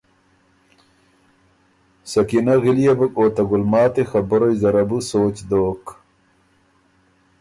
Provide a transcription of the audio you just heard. سکینه غليې بُک او ته ګلماتی خبُرئ زره بو سوچ دوک۔